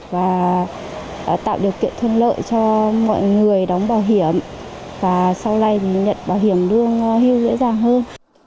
và tạo điều kiện thuận lợi cho mọi người đóng bảo hiểm và sau này nhận bảo hiểm lương hưu dễ dàng hơn